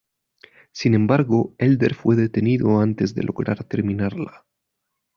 Sin embargo, Helder fue detenido antes de lograr terminarla.